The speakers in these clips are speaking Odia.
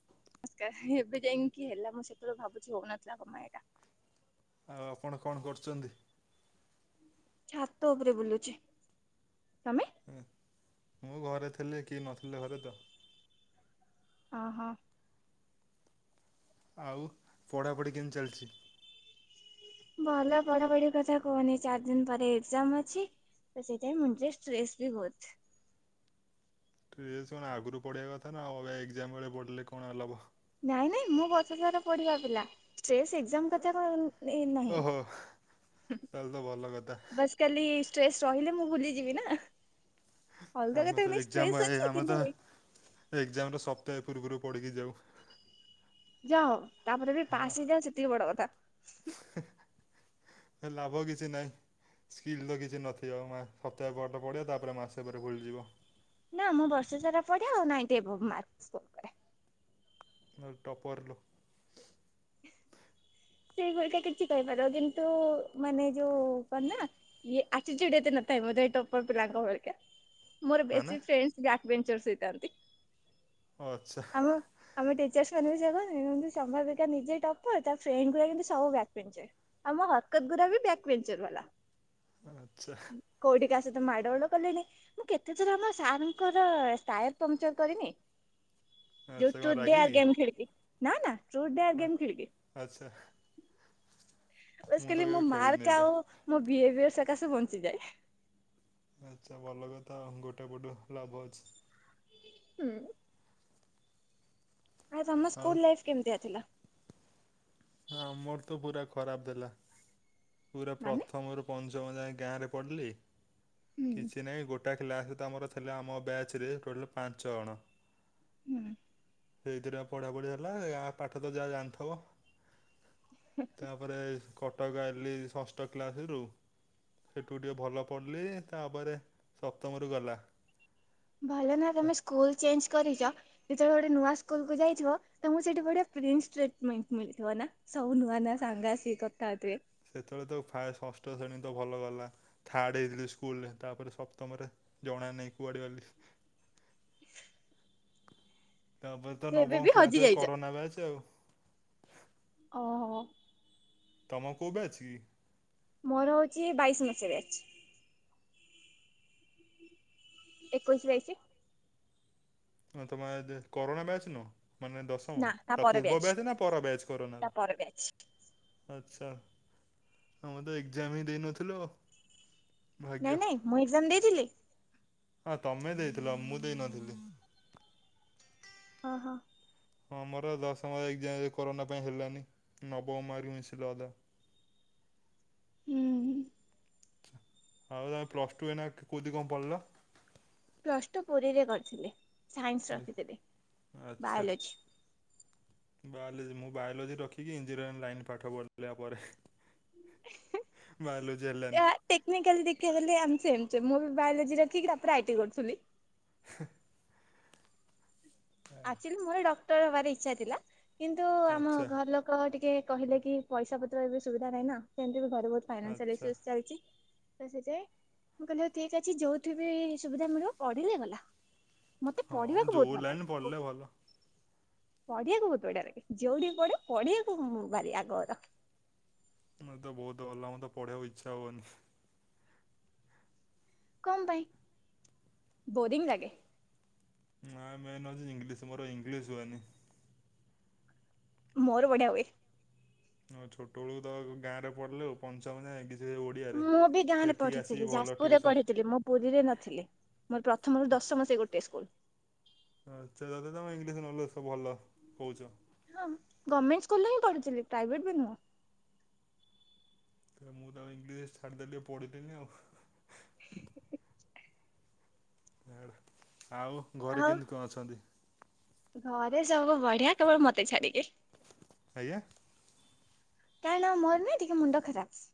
[inaudible] କାହିଁ ଏବେ ଯାଇଁକି ହେଲା ମୁଁ ସେତେଳୁ ଭାବୁଛି ହଉନଥିଲା କଣ ପାଇଁ ଏଟା। ଆଉ ଆପଣ କଣ କରୁଚନ୍ତି? ଛାତ ଉପରେ ବୁଲୁଛି, ତୋମେ? ଏଁ, ମୁଁ ଘରେ ଥିଲି କେଇ ନଥିଲେ ଘରେ ତ। ଓହୋ। ଆଉ ପଢ଼ାପଢ଼ି କେମିତି ଚାଲିଛି? ଭଲ ପଢାପଢି କଥା କୁହନି ଚାରି ଦିନ ପରେ ଏକ୍ଜାମ୍ ଅଛି। ତ ସେଇଥିପାଇଁ ମୁଣ୍ଡରେ ଟ୍ରେସ୍ ବି ବହୁତ। ଟ୍ରେସ୍ କଣ ଆଗରୁ ପଢିବା କଥା ନା ଆଉ ଏବେ ଏକ୍ଜାମ୍ ବେଳେ ପଢିଲେ କଣ ଆଉ ଲାଭ। ନାଇଁ ନାଇଁ ମୁଁ ବର୍ଷ ସାରା ପଢିବା ପିଲା ଟ୍ରେସ୍ ଏକ୍ ଜାମ୍ କଥା କଣ ଏନ୍ ଏ ଏ ନାହିଁ ଓହୋ ତାହେଲେ ତ ଭଲ କଥା ବାସ୍ କାଲି ଷ୍ଟ୍ରେସ୍ ରହିଲେ ମୁଁ ଭୁଲିଯିବି ନା। ଅଲଗା ଆମେ କଥା ତ ନେଇ ଏକ୍ଜାମ୍ ଷ୍ଟ୍ରେସ୍ ଏଇ ଅଛି ଆମେ କିନ୍ତୁ ତ ଏ ଏକ୍ଜାମ୍ ର ସପ୍ତାହେ ପୂର୍ବରୁ ପଢିକି ଯାଉ। ଯା ହଉ ତାପରେ ବି ପାସ୍ ହଁ ହେଇଯାଅ ସେତିକି ବଡ କଥା ହୁଁ,। ହେ ଲାଭ କିଛି ନାହିଁ। ସ୍କିଲତ କିଛି ନଥିବଉ ମା ସପ୍ତାହେଟ ପଡ଼ିବ ତାପରେ ମାସେ ପରେ ଭୁଲିଯିବ ନା ମୁଁ ବର୍ଷ ସାରା ପଢିବା ଆଉ ନାଇଁଦେବୁ ଟପର ଲୋ ସେଇଗୁଡିକା କିଛି କହିପାର କିନ୍ତୁ ମାନେ ଯୋଉ କଣନା ଏ ଆଟୁଚ୍ୟୁଡ ଏତେ ମଧ ଏ ଟପର ପିଲଙ୍କାତ ଭଲିକା। ମୋର ମାନେ ବେସି ଫ୍ରେଣ୍ଡ ଯାକଭେଞ୍ଚେର ସହିତ [unintelligible] ଆଚ୍ଛା। ଆମ ଆମ ଟିଚର୍ସ ମାନେବି ସେୟା କହୁଛନ୍ତି ସମ୍ବାରପିକା ନିଜେ ଦବ ତା ପେଗୁ ସବୁ ବ୍ୟାକମେଞ୍ଚ ଆମ ହରକତ ଗୁରାକ ବ୍ୟାକମେଞ୍ଚ ବାଲା। ଆଚ୍ଛା। କୋଉଠି କାସହିତ ମାଡଗୋଳ କଲେଣି ମୁଁ କେତେଥର ଆମ ସାରଙ୍କର ଟାୟାର ପମ୍ପଚର କରିନି। ଆଚ୍ଛା ଯୋଉ କଣ ଟୁଡେୟାର ରାଗିକି? ଗେମ ଖେଳିବି ନା ନା ଟୁଡେୟାର ଗେମ ଖେଳିବି। ଆଚ୍ଛା। ମୁଁ ବାସ ତ ମୋ କେବେ ଖେଳିନି ମାର୍କ ଏଇଟା। ଆଉ ମୋ ବିହେଭିୟର ସକାଶେ ବଞ୍ଚିଯାଏ। ଆଚ୍ଛା ଭଲ କଥା ଗୋଟେ ପଟୁ ହେଲା ଲାଭଅଛି। ହୁଁ, ଆ ଆଉ ତମସ୍କୁଲ ଲାଇଫ କେମିତିଆ ଥିଲା। ହଁ ମୋରତ ପୁରା ଖରାପ ଦେଲା। ପୁରା ମାନେ ପ୍ରଥମରୁ ପଞ୍ଚମ ଯାଏ ଗାଁରେ ଢିଢ଼ୀଲି ହୁଁ କିଛି ନାହିଁ ଗୋଟେ ଏଟା ଥିଲା ସହିତ ଆମରଥିଲା ଆମ ବ୍ୟାଚରେ ଟୋଟାଲ ପାଞ୍ଚଜଣ। ହୁଁ ସେଇଥିରେ ପଢା ପଢିହେଲା ପାଠତ ଯାହା ଜାଣିଥିବ ତାପରେ କଟକ ଆଇଲି ଷଷ୍ଠ କ୍ଲାସରୁ ସେଠୁ ଟିକେ ଭଲ ପଢିଲି ତାପରେ ସପ୍ତମରୁ ଗଲା। ଭଲ ନା ତମେ ସ୍କୁଲ ଚେଞ୍ଜ କରିଚ ଯେତେବେଳେ ଗୋଟେ ନୂଆ ସ୍କୁଲକୁ ଯାଇଥିବ ତମକୁ ସେଠ ପ୍ରିନ୍ସଷ୍ଟେଟ ମିଳିଥିବନା? ସବୁ ନୂଆ ନୂଆ ସାଙ୍ଗ ଆସିକ କଥା ହଉଥିବେ। ସେତେବେଳେତ ଫାଷ୍ଟ ଷଷ୍ଠ ଶ୍ରେଣୀତ ଭଲଗଲା। ଥାର୍ଡ ହେଇଥିଲି ସ୍କୁଲରେ ତାପରେ ସପ୍ତମରେ ଜଣା ନାଇଁ କୁଆଡେ ଗଲି। ତାପରେତ ତ ଏବେ ନବମ ବି ହଜି କ୍ଲାସରେ ଯାଇଛ କରୋନା ବ୍ୟାଚ ଆଉ। ଓହୋ ତମ କଉଁ ବ୍ୟାଚକି? ମୋର ହଉଛି ବାଇଶି ମସିହା ବ୍ୟାଚ ଏକୋଇଶି ବାଇଶି। ତମର କରୋନା ବ୍ୟାଚ ନୁହଁ? ମାନେ ଦଶମ ହଁ ନା ତା ପର ତାପୂର୍ବ ବ୍ୟାଚ୍ ବ୍ୟାଚନା ପର ବ୍ୟାଚ ତା କରନାର। ପର ବ୍ୟାଚ୍ ଆଛା ତମେତ ଏକଜାମ ହି ଦେଇନଥିଲ। ନାଇଁ ନାଇଁ ମୁଁ ଏକଜାମ ଦେଇଥିଲି। ହଁ ତମେ ଦେଇଥିଲ ମୁଁ ଦେଇନଥିଲି। ଓହୋ ହଁ ମୋର ଦଶମ ଏକଜାମ କରୋନା ପାଇଁ ହେଲାନି ନବମମାରୀ ମିଶିଲା ଅଧା। ଉଁ ହୁଁ, ଆଚ୍ଛା ଆଉ ପ୍ଲସ୍ ଟୁ ଏଇନା କେଉଁଠି କଣ ପଡିଲ। ପ୍ଲସଟୁ ପୁରୀରେ କରିଥିଲେ ସାଇନ୍ସ ରଖିଥିଲି ଆଚ୍ଛା। ବାୟୋଲୋଜି। ବାୟୋଲୋଜି ମୁଁ ବାୟୋଲୋଜି ରଖିକି ଇଞ୍ଜିନିୟରିଂ ଲାଇନ ପାଠ ପଢୁଥିଲି ଇୟାପରେ। ବାୟୋଲୋଜି ବାୟୋଲୋଜି ହେଲାନି ଟେକ୍ନିକାଲି ଦେଖିବାକୁ ଗଲେ ଆମେ ସେମ୍ ସେମ୍ ମୁଁବି ବାୟୋଲୋଜି ରଖିକି ତାପରେ ଆଇଟି କରୁଥିଲି। [unintelligible] ଆକ୍ଚୁଆଲି ମୋର ଡକ୍ଟର ହବାର ଇଚ୍ଛା ଥିଲା, କିନ୍ତୁ ଆମ ଆଚ୍ଛା ଘର ଲୋ କ ଟିକେ କହିଲେକି ପଇସା ପତ୍ର ଏବେ ସୁବିଧା ନାହିଁନା, ସେମିତିବି ଘରେ ବ ଫାଇନାନ୍ସରେ ଆଚ୍ଛା। ଇସୁ ଏସ୍ ଚାଲିଚି। ତସେଥିଇଁ ମୁଁ କଲି ହଉ ଠିକ୍ ଅଛି, ଯୋଉଠିବି ସୁବିଧା ମିଳିବ ପଢିଲେ ଗଲା। ମତେ ପଢିବାକୁ ବହୁତ୍ ଭଲଲାଗେ। ପଢ଼ିଲେ ଭଲ। ପଢିବାକୁ ବହୁତ୍ ବଢିଆ ଲାଗେ, ଯୋଉଠିବି ପଢେ ପଢିବାକୁ ମୁଁ ଭାରି ଆଗବର। ତମେତ ବହୁତ ଭଲ, ମତେ ପଢିବାକୁ ଇଚ୍ଛା ହୁଏନି। କଣ ପାଇଁ ବୋରିଙ୍ଗ ଲାଗେ। ନାଁ ମେନ୍ ଅଚି ଇଂଲିଶ, ମୋର ଇଂଲିଶ ହୁଏନି। ମୋର ବଢିଆ ହୁଏ। ହଁ ଛୋଟ ବଳୁତ ଗାଁରେ ପଢିଲେ, ଉ ପଞ୍ଚମ ଜାଏ ଇଂଲି ଯେ ଓଡ଼ିଆରେ, ମୁଁ ବି ଗାଁରେ ଏଠି ପଢିଥିଲି ଆସିକି ଭଲ ଯାଜପୁରରେ ଟ୍ୟୁସନ୍ ପଢିଥିଲି ମୁଁ ପୁରୀରେ ନଥିଲେ, ମୋର ପ୍ରଥମରୁ ଦଶମ ସେ ଗୋଟେ ସ୍କୁଲ୍। ଆଏତେ ଯଦିତମେ ଇଂଲିଶ ନଲେଜ୍ ସବୁ ଭଲ କହୁଚ। ହ ଗମେଣ୍ଟ ସ୍କୁଲରେହିଁ ପଢ଼ିଥିଲି, ପ୍ରାଇଭେଟବି ନୁହଁ। ମୁଁତ ଇଂଲିଶରେ ଛାଡିଦେଲି, ଆଉ ପୋଢ଼ିଲିନି ଆଉ। [inaudible] ୟାଡ଼ା, ଆଉ ଘରେ ଆଉ କେମିତି କଣ ଅଛନ୍ତି? ଘରେ ସବୁ ବଢିଆ, କେବଳ ମତେ ଛାଡ଼ିକି। ଆଜ୍ଞା କାରଣ ମୋରନା ଟିକେ ମୁଣ୍ଡ ଖରାପ୍।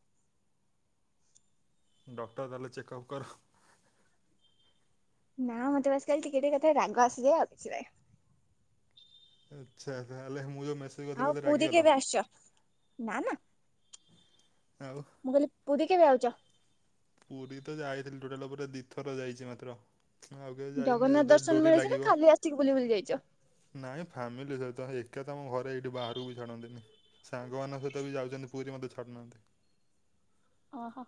ଡକ୍ଟର ତାହେଲେ ଚେକଅପ୍ କର। ନା ମତେ ବାସ୍ ଖାଲି ଟିକେ, ଟିକେ କଥାରେ ରାଗ ଆସିଯାଏ ଆଉ କିଛି ନାଇଁ। ଆଚ୍ଛା- ଜା ହେଲେ ମୁଁ ଯେଉଁ ମେସେଜ୍ ଆଉ କରିଥିଲି ବୋଧେ ପୁରୀ ରାଗିଗଲ? କେବେ ଆସିଛ? ନା ନା। ଆଉ ମୁଁ କହିଲି, ପୁରୀ କେବେ ଆଉଚ? ପୁରୀତ ଯାଇଥିଲି ଟୋଟାଲେ ଉପରେ ଦିଥର ଯାଇଚି ମାତ୍ର। ଆଉ କେବେ ଯାଇନି, ଜଗନ୍ନାଥ ଯେବେ ଦର୍ଶନ ଡୋରି ମିଳୁଛି ନା ଲାଗିବ। ଖାଲି ଆସିକି ବୁଲି ବୁଲି ଯାଇଛ? ନାଇଁ ଫ୍ୟାମିଲି ସହିତ, ଏକାତ ଆମ ଘରେ ଏଇଠି ବାହାରକୁ ଛାଡ଼ନ୍ତିନି। ସାଙ୍ଗମାନଙ୍କ ସହିତବି ଯାଉଚନ୍ତି ପୁରୀ ମତେ ଛଡ଼ୁନାହାନ୍ତି। ଅହ,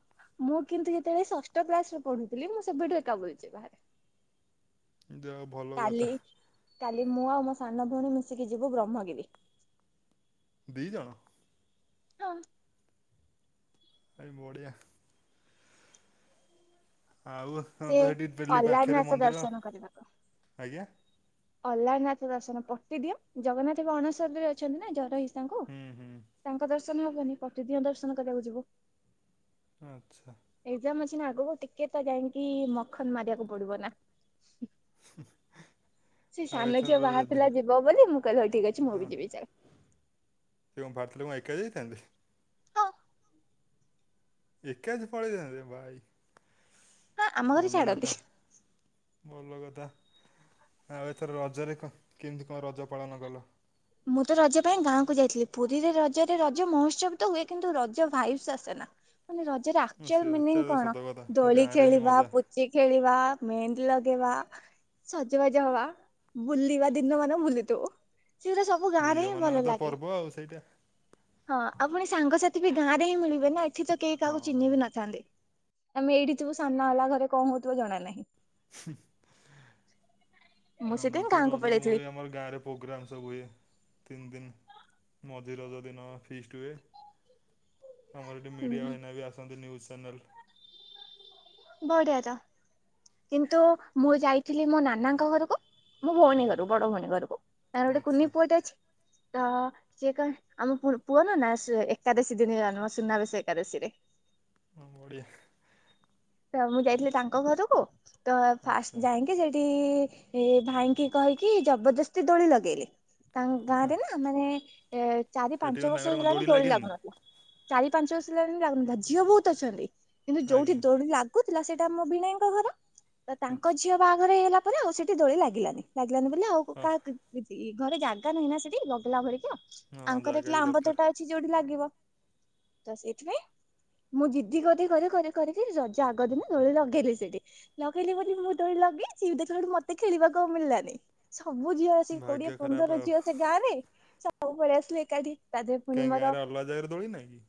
ମୁଁ କିନ୍ତୁ ଯେତେବେଳେ ଷଷ୍ଠ କ୍ଲାସରେ ପଢୁଥିଲି, ମୁଁ ସେବେଠୁ ଏକା ପଲେଇଚି ବାହାରେ। [inaudible] ହଉ ଭଲ କଥା କାଲି, କାଲି ମୁଁ ଆଉ ମୋ ସାନ ଭଉଣୀ ମିଶିକି ଯିବୁ ବ୍ରହ୍ମଗିରି। ଦି ଜଣ? ହଁ। ଭାଇ ବଢ଼ିଆ ଆଉ? ସେ ତମରତ ହେଟି ଡେଲି ପାଖରେ ଅଲାରନାଥ ମନ୍ଦିର, ଦର୍ଶନ କରିବାକୁ। ଆଜ୍ଞା। ଅଲାରନାଥ ଦର୍ଶନ ପଟି ଦିଅ, ଜଗନ୍ନାଥଙ୍କ ଅଣସରୀରେ ଅଛନ୍ତିନା ଜର ହେଇ ତାଙ୍କୁ ହୁଁ ହୁଁ। ତାଙ୍କ ଦର୍ଶନ ହବନି, କଟିଦିଅନ୍ ଦର୍ଶନ କରିବାକୁ ଯିବୁ। ଆଚ୍ଛା। ଏଗ୍ଜାମ୍ ଅଛିନା ଆଗକୁ, ଟିକେତ ଯାଇକି ମଖନ୍ ମାରିବାକୁ ପଡ଼ିବନା। ହୁ ସେ ସାନ ଝିଅ ବାହାର ଥିଲା ଯିବ ବୋଲି ମୁଁ କିହିଲି ହଉ ଠିକ୍ ଅଛି ମୁଁ ବି ଯିବି ଚାଲ। ସେ କଁ ଭାରଥିଲେ କଁ ଏକା ଯାଇଥାନ୍ତେ? ହଁ। ଏକା ଯେ ପଳେଇ ଥାନ୍ତେ ଭାଇ, ହଁ ଆମ ଘରେ ଭଲ ଛାଡନ୍ତି। କଥା। ଭଲ କଥା। ଆଉ ଏଥର ରଜରେ କ କେମିତି କଁ ରଜ ପାଳନ କଲ? ମୁଁ ତ ରଜ ପାଇଁ ଗାଁକୁ ଯାଇଥିଲି ପୁରୀରେ ରଜରେ ରଜ ମହୋତ୍ସବ ତ ହୁଏ କିନ୍ତୁ ରଜ ଭାଇବସ୍ ଆସେନା। ମାନେ ରଜରେ ଉଁ ଆକ୍ଚୁଆଲ୍ ସେଇଟା ମିନିଂ ତ କଣ, ସତ କଥା ଦୋଳି ଗାଁରେ ହିଁ ଖେଳିବା, ମଜା ବୁ ଚି ଖେଳିବା, ମେହେନ୍ଦୀ ଲଗେଇବା। ସଜବାଜ ହବା ବୁଲିବା ଦିନ ମାନେ ବୁଲୁତୁବୁ। ସେଇରା ସବୁ ଗାଁରେ ଝିଅ ହିଁ ମାନଙ୍କ ଭଲ ତ ଲାଗେ‌ ପର୍ବ ଆଉ ସେଇଟା। ହଁ ଆଉ ପୁଣି ସାଙ୍ଗସାଥି ବି ଗାଁରେ ହିଁ ମିଳିବେ ନା ଏଠି ତ କେହି ହଁ କହାକୁ ଚିହ୍ନି ବିି ନଥାନ୍ତି। ଆମେ ଏଇଠି ଥିବୁ ସାମ୍ନା ଆଲା ଘରେ କଣ ହଉଥୁବ ଜଣା ନାହିଁ। ମୁଁ ହଁ ସେଥିପାଇଁ ମତେ ଗାଁକୁ ରଜରେ ମୁଁ ପଳେଇଥିଲି। ଏଇ ଆମର ଗାଁରେ ପୋଗ୍ରାମ୍ ସବୁ ହୁଏ ତିନ ଦିନ। ମଝି ରଜ ଦିନ ଫିଷ୍ଟ୍ ହୁଏ। ଆମ ଏଠି ମିଡ଼ିଆ ହୁଁ ବାହିନା ବି ଆସନ୍ତି ନ୍ୟୁଜ୍ ଚ୍ୟାନେଲ୍। ବଢିଆ ତ କିନ୍ତୁ ମୁଁ ଯାଇଥିଲି ମୋ ନାନାଙ୍କ ଘରୁକୁ। ମୋ ଭଉଣୀ ଘରୁ ଆଜ୍ଞା ବଡ଼ ଭଉଣୀ ଘରୁକୁ ତାର ଗୋଟେ ଆଚ୍ଛା। କୁନି ପୁଅଟେ ଅଛି। ତ ସିଏ କଁ ଆମ ପୁ ପୁଅ ନୁହଁ ନା ସେ ଏକାଦଶୀ ଦିନେ ଜନ୍ମ ସୁନାବେଶ ଏ କାଦଶୀରେ। ହଁ ବଡ଼ିଆ। ତ ମୁଁ ଯାଇଥିଲି ତାଙ୍କ ଘରୁକୁ ତ ଆଚ୍ଛା ଫାଷ୍ଟ ଯାଇଁକି ସେଇ ତି ଭାଇଙ୍କି କହିକି ଜବରଦସ୍ତି ଦୋଳି ଲଗେଇଲେ ତାଙ୍କ ଗାଁରେ ନାଁ ଏ ମାନେ ଏ ଚାରି ସେଠି କଣ ପାଞ୍ଚ ବର୍ଷ ତାଙ୍କର କଣ ହେଇଗଲାଣି ଦୋଳି ଲାଗେନି ଲାଗୁନଥୁଲା। ଚାରି ପାଞ୍ଚ ବର୍ଷ ହେଲାଣି ଲାଗୁନତା ଝିଅ ବହୁତ ଅଛନ୍ତି କିନ୍ତୁ ଯୋଉଠି ଆଜ୍ଞା ଦୋଳି ଲା କୁଥିଲା ସେଟା ଆମ ଭିଣେଇଙ୍କ ଘର ତ ତାଙ୍କ ଆଚ୍ଛା। ଝିଅ ବାହାଘର ହେଇଗଲା ପରେ ଆଉ ସେଠି ଦୋଳି ଲାଗିଲାନି ଲାଗିଲାନି ବୋଲି ଆଉ ହ କାହା ଦିଦି ଘରେ ଜାଗା ନାହିଁ ନା ସେଠି ଲଗେଇଲା ଭଳିକା ହଁ ଆଙ୍କର ଜାଗା ବି ଏକଲା ଆମ୍ବ ଦରକାର ତୋଟା ଛି ଯୋଉଠି ଲାଗିବ ତ ସେଇଥିପାଇଁ ମୁଁ ଜିଦି କଦି କରେ କରେ କରିକି ଜ ଯେ ଆଗ ଦିନ ଦୋଳି ଲଗେଇଲେ ସେଇଠି ଲଗେଇଲେ ବୋଦି ମୁଁ ତ ଲଗେଇଚି ଦେଖିଲା ହଠୁ ମତେ ଖେଳିବାକୁ ଆଉ ମିଳିଲାନେଇ। ସବୁ ଝିଅ ଆସି କୋଡ଼ିଏ ଭାଗ୍ୟ ଖରାପ ପନ୍ଦର ଆଉ ଝିଅ ସେ ଗାଁରେ ସବୁ ପଳିଆସିଲେ ଏକାଠି ତା ଦେହରେ ପୁଣି କାଇଁ ମୋର ଗାଁରେ ଅଲଗା ଜାଗାରେ ଦୋଳି ନାଇଁ କି?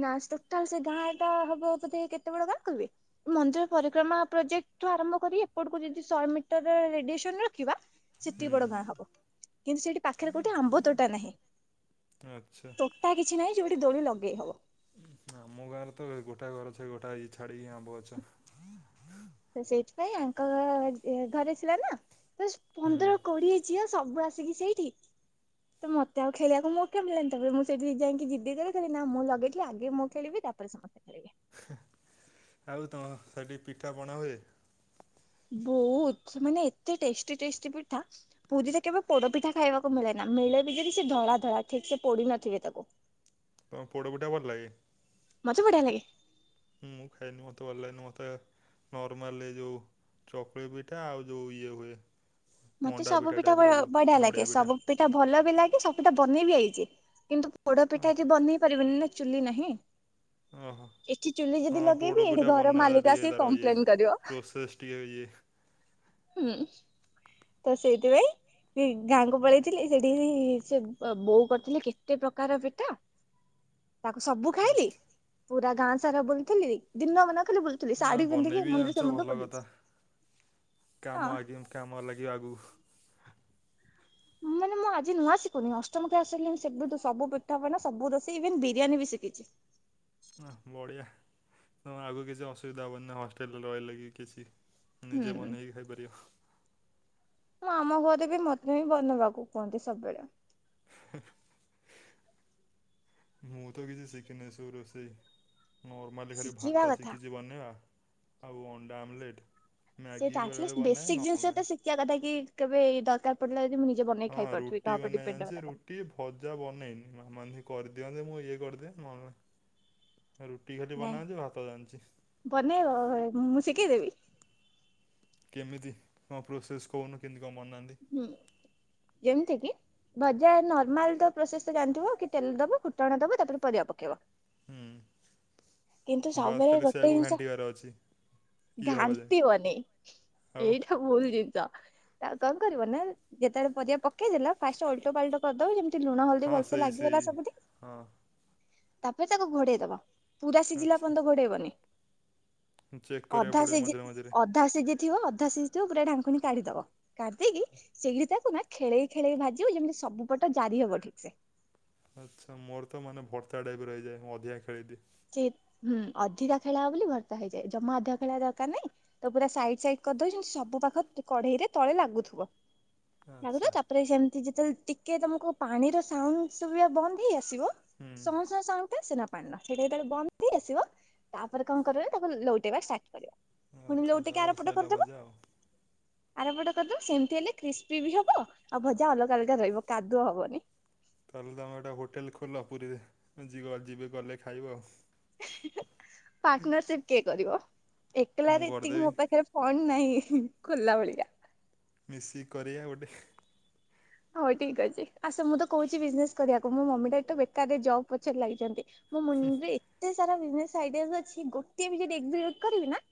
ନାଁ ଟୋଟାଲ ସେ ଗାଁଟା ହବ ବୋଧେ କେତେ ବଡ଼ ଗାଁ କଇବେ ମନ୍ଦିର ପରିକ୍ରମା ପ୍ରୋଜେକ୍ଟଠୁ ଆରମ୍ଭ କରି ଏପଟୁକୁ ଯଦି ଶହେ ମିଟର ରେଡିଏସନ୍ ରଖିବା ସେତିକି ବଡ଼ ଗାଁ ହୁଁ ହବ କିନ୍ତୁ ସେଇଠି ପାଖେରେ କୋଉଠି ଆମ୍ବ ତୋଟା ନାହିଁ। ଆଚ୍ଛା। ତୋଟା କିଛି ନାହିଁ ଯୋଉଠି ଦୋଳି ଲଗେଇ ହବ। ଉଁ ଆମ ଗାଁରେ ତ ଗୋଟା ଘର ଛା ଗୋଟା ଇଏ ଛାଡି଼କି ଆମ୍ବ ଗଛ। ତ ସେଇଥିପାଇଁ ଆଙ୍କ ଗ ଏ ଘରେ ଥିଲା ନାଁ ତ ହୁଁ। ପନ୍ଦର କୋଡି଼ଏ ଝିଅ ସବୁ ଆସିକି ସେଇଠି। ତ ମତେ ଆଉ ଖେଳିବାକୁ ମୌକା ମିଳିଲାନି ତାପରେ ମୁଁ ସେଇଠି ଯାଇଁକି ଜିଦି କଲି ନା ମୁଁ ଲଗେଇଥିଲି ଆଗେ ମୁଁ ଖେଳିବି ତାପରେ ସମ୍ ଆଉ ତମ ସେଠ ପିଠା ପଣା ହୁଏ? ବୋହୁତ ମାନେ ଏତେ ଟେଷ୍ଟି ଟେଷ୍ଟି ପିଠା ପୁରୀରେ କେବେ ପୋଡପିଠା ଖାଇବାକୁ ମିଳେ ନା ମିଳେ ବି ଯଦି ସେ ଧଳା ଧଳା ଠିକ୍ ସେ ପୋଡି ନଥିବେ ତାକୁ। ତମୁକୁ ପୋଡ ପିଠା ଭଲ ଲାଗେ? ମତେ ବଢିଆ ଲାଗେ। ମୁଁ ଖାଏନି ମତେ ଭଲ ଲାଗେନି ମତେ ନର୍ମାଲରେ ଯୋଉ ଚକୁଳି ପିଠା ଆଉ ଯୋଉ ଇଏ ହୁଏ। ମତେ ମଣ୍ଡା ସବୁ ପିଠା ଟାଇପର ବହିଆ ଯୋଉ ବଢିଆ ନଡ଼ିଆ ଲାଗେ ପିଠା ସବୁ ପି ତ ଭଲ ବି ଲାଗେ ସବୁ ପିଠା ବନେଇ ବି ଆଇଚି କିନ୍ତୁ ପୋଡ ପିଠା ଏଠି ବନେଇ ପାରିବନି ନା ଚୁଲି ନାହିଁ। ଓହୋ। ଏଠି ଚୁଲି ଯଦି ହଁ ଲଗେଇବି ପୋଡ ଏଇଠି ପିଠା ଘର ବନେଇବା ମାଲିକ ଟିକେ ଆସିକି ତାର ଇଏ କମ୍ପ୍ଲେନ କରିବ ପ୍ରସେସ୍ ଟିକେ ଇଏ। ହୁଁ। ତ ସେଇଥିପାଇଁ ଏଇ ଗାଁକୁ ପଳେଇଥିଲି ସେଠି ସେ ବ ବୋଉ କରିଥିଲେ କେତେ ପ୍ରକାର ପିଠା ତାକୁ ସବୁ ଖାଇଲି ଆଚ୍ଛା ପୁରା ଗାଁ ସାରା ବୁଲଥିଲି ଦିନ ମାନ ଖାଲି ବୁଲ୍ ଆ ବନେଇବି ଜାଣିଛ ଭଲ କଥା ହଁ କାମ ଆଗିମ୍ କାମରେ ଲାଗିବ ଆଗୁକୁ। ମାନେ ମୁଁ ଆଜି ନୂଆ ଶିକୁନି ଅଷ୍ଟମ କ୍ଲାସ୍ ହେଲେ ମୁଁ ସେବେଠୁ ସବୁ ପିଠା ପଣା ସବୁ ରୋଷେଇ ଇଭେନ୍ ବିରିୟାନୀ ବି ଶିକିଛି। ଆଃ ବଢିଆ ତମୁକୁ ଆଗୁକୁ କିଛି ଅସୁବିଧା ହବନି ହଷ୍ଟେଲରେ ରହିଲେ କି କିଛି। ହୁଁ। ନିଜେ ବନେଇକି ଖାଇପାରିବ। ମୁଁ ଆମ ଘରେ ବି ମତେ ହିଁ ବନେଇବାକୁ କୁହନ୍ତି ସବେଳେ। ହେଁ ମୁଁ ତ କିଛି ଶିଖିନି ଏ ସବୁ ରୋଷେଇ। ନର୍ମାଲି ଖାଲି ଶିଖିବା ଭାତ କଥା ଶିକିଚି ବନେଇବା ଆଉ ଅଣ୍ଡା ଆମଲେଟ୍। ମ୍ୟାଗି ବେଳେବେଳେ ବନାଏ ନ [unintelligible] ସହିତ ଶିକିଆ କଥା କି କେବେ ଦରକାର ପଡିଲା ଯଦି ମୁଁ ନିଜେ ବନେଇକି ହଁ ଖାଇ ପାରୁଥିବି ରୁଟି କାହା ଉପରେ ବନାଏ ଡିଫେଣ୍ଡ ହବା ଜାଣିଛି ଦରକାର ରୁଟି ଭଜା ବନେଇନି ମାମା ଇନ୍ତି କରିଦିଅନ୍ତି ମୁଁ ଇଏ କରିଦିଏ ନହେଲେ ନା ରୁଟି ଖାଲି ବନା ନାଇଁ ଜାଣିଚି ଭାତ ଜାଣିଚି। ବନେଇବ ଘରେ ମୁଁ ଶିକେଇଦେବି। କେମିତି କଁ ପ୍ରୋସେସ୍ କହୁନୁ କିନ୍ତି କଁ ବନାନ୍ତି। ହୁଁ ଯେମତିକି ଭଜା ନର୍ମାଲ ତ ପ୍ରୋସେସଟା ଜାଣିଥିବ କି ତେଲ ଦବ ଫୁଟଣ ଦବ ତାପରେ ପରିବା ପକେଇବ। କିନ୍ତୁ ହୁଁ ବାସ୍ ସବୁବେଳେ ଖାଲି ଗୋଟେ ସେଇଆକୁ ଜିନିଷ ଘାଣ୍ଟିବାର ଅଛି। ଇଏ ହବା ଯାଏ ଘାଣ୍ଟିବନି ଆଉ ଏଇଟା ଭୁଲ୍ ଜିନିଷ। କଁ କରିବ ନା ଯେତେବେଳେ ପରିବା ପକେଇଦେଲ ଫାଷ୍ଟେ ଓଲଟ ପାଲଟ କରିଦବ ଯେମ୍ ତି ଲୁଣ ହଳଦୀ ହଁ ଭଲ ସେ ସେଇ ସେଇ ଲାଗିଗଲା ସବୁଠି। ହଁ ତାପରେ ତାକୁ ଘୋଡେଇ ଦବ ପୁରା ସିଜିଲା ପନ୍ତ ଘୋଡେଇବନି। ହୁଁ ଚେକ୍ କରିବାକୁ ପଡିବ ମଝିରେ ମଝିରେ। ଧା ସିଝ ଥିବ ଅଧା ସିଝି ଥିବ ପୁରା ଢାଙ୍କୁଣି କାଢିଦବ କାଢିଦେଇକି ସେଇଢି ତାକୁ ନା ଖେଳେଇ ଖେଳେଇ ଭାଜିବ ଯେମିତି ସବୁ ପଟ ଜାରି ହବ ଠିକ୍ ସେ। ଆଚ୍ଛା ମୋର ତ ମାନେ ଭର୍ତ୍ତା ଟାଇପର ହେଇଯାଏ ମୁଁ ଅଧିକା ଖେଳେଇଦିଏ। ଚେ ହୁଁ ଅଧିକା ଖେଳାଅ ବୋଲି ଭର୍ତ୍ତା ହେଇଯାଏ ଜମା ଅଧିକା ଖେଳେଇଆ ଦରକାର ନାଇଁ ତାକୁ ପୁରା ସାଇଟ୍ ସାଇଟ୍ କରିଦବ ଯିନ୍ତି ସବୁ ପାଖ ତି କଢେଇରେ ତଳେ ଲାଗୁଥୁବ। ଲାଗୁଥୁବ ଆଚ୍ଛା ତାପରେ ସେମତି ଯେତେବେଳେ ଟିକେ ତମୁକୁ ପାଣିର ସାଉଣ୍ଡ୍ ଶୁଭିବା ବନ୍ଦ୍ ହେଇ ଆସିବ ହୁଁ ସଁ ସଁ ସାଉଣ୍ଡଟା ଆସେନା ପାଣିର। ସେଇଟା ଯେତେବେଳେ ବନ୍ଦ ହେଇ ଆସିବ ତାପରେ କଁ କରିବ ତାକୁ ଲୋଉଟେଇବା ଷ୍ଟାର୍ଟ କରିବ। ଫୁଣି ଆଚ୍ଛା ଲୋଉଟେଇକି ଆର ତାପରେ ପଟ ସଇଲା କରିଦବ। ଭଜା ଆଉ। ଆରମ୍ବଟା କରିଦେବୁ ସେମିତି ହେଲେ କ୍ରିସ୍ପି ବି ହବ ଆଉ ଭଜା ଅଲଗା ଅଲଗା ରହିବ କାଦୁଅ ହବନି। ତାହେଲେ ତମେ ଗଟେ ହୋଟେଲ ଖୋଲ ପୁରୀ ଯିବେ ଗଲେ ଖାଇବ ଆଉ ପାର୍ଟନରସିପ କିଏ କରିବ ମୁଁ ଏକଲାରେ ଏତିକି କରିଦେବି। ମୋ ପାଖରେ କଣ ନାଇଁ ଖୋଲା ଭଳିଆ? ମିଶିକି କରିବା ଗୋଟେ। ହଉ ଠିକ ଅଛି ଆ ସେ ମୁଁ ତ କହୁଛି ବିଜନେସ କରିବାକୁ ମୋ ମମିଟା ତୁ ବେକାରରେ ଜବ ପଛରେ ଲାଗିଛନ୍ତି। ମୋ ମନରେ ଏତେ ସାରା ବିଜନେସ ଆଇଡ୍ଡିଆ ଅଛି ଗୋଟେ ବି ଯଦି ଏକ୍ସିକ୍ୟୁଟ କରିବି ନା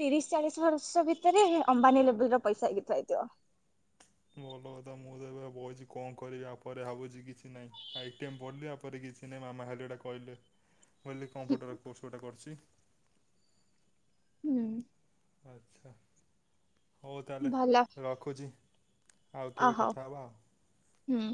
ତିରିଶ ଚାଳିଶ ବର୍ଷ ଭିତରେ ଅମ୍ବାନୀ ଲେବ ର ପଇସା ହେଇ ଥୁଆହେଇଥିବ। ଭଲ କଥା ମୁଁ ତ ଏବେ ବଇଛି କଣ କରି ପରରେ ଭାବୁଛି କିଛି ନାହିଁ ଆ ଟଟିମ୍ ପଢ଼ିଲି ଆପରେ କିଛି ନାହି ମାମା ହେଲେ ଏଇଟା କହିଲେ ମୁଁ ହେିଲି କମ୍ପ୍ୟଟର କୋର୍ସ ଗୋଟା କରିଛି। ହୁଁ। ଆଚ୍ଛା ହଉ ତାହେଲେ ଭଲ ରଖୁଛି। ଆଉ ଅ କେବେ ହଉ କଥା ହେବା ଆଉ? ହୁଁ।